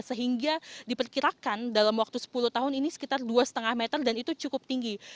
sehingga diperkirakan dalam waktu sepuluh tahun ini sekitar dua lima meter dan itu cukup tinggi